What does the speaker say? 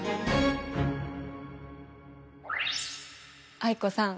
藍子さん